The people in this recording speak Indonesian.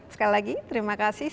sekali lagi terima kasih